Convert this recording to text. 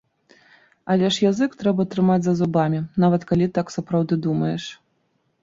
Але ж язык трэба трымаць за зубамі, нават калі так сапраўды думаеш.